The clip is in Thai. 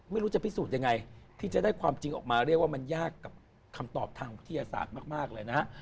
ไม่รู้จะพิสูจน์ยังไงที่จะได้ความจริงออกมาเรียกว่ามันยากกับคำตอบทางวิทยาศาสตร์มากเลยนะฮะ